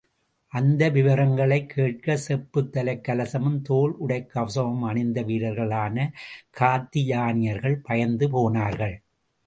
அந்த விவரங்களைக் கேட்க, செப்புத் தலைக் கலசமும், தோல் உடைக்கவசமும் அணிந்த வீர்களான காத்தயானியர்கள் பயந்து போனார்கள்.